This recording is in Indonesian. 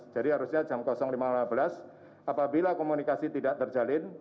jadi harusnya jam lima lima belas apabila komunikasi tidak terjalin